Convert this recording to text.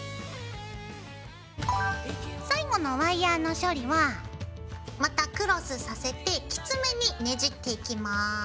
最後のワイヤーの処理はまたクロスさせてきつめにねじっていきます。